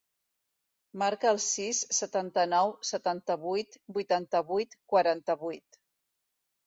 Marca el sis, setanta-nou, setanta-vuit, vuitanta-vuit, quaranta-vuit.